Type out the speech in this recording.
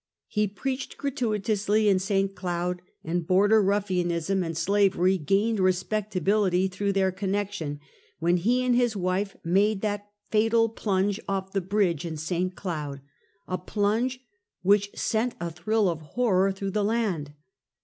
He preached gratuitously in St. Cloud, and Border Ruffianism and Slavery gained respectability through their connection, when he and his wife made that fatal plunge off the bridge in St. Cloud — a plunge which sent a thrill of hor ror through the land.